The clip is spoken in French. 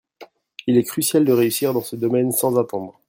Il est crucial de réussir dans ce domaine sans attendre.